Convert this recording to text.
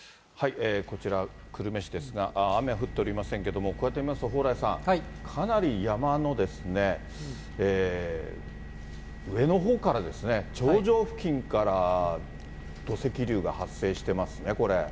こちら久留米市ですが、雨は降っておりませんけれども、こうやって見ますと、蓬莱さん、かなり山の上のほうからですね、頂上付近から土石流が発生してますね、これ。